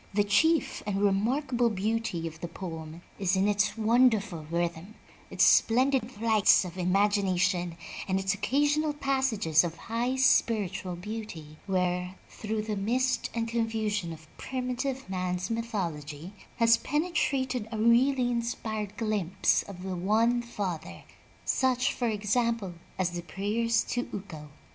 The chief and remarkable beauty of the poem is in its wonderful rhythm, its splendid flights of imagination and its occasional passages of high spiritual beauty, where, through the mist and confusion of primitive man's myth ology, has penetrated a really inspired glimpse of the One Father, such, for example, as the prayers to Ukko.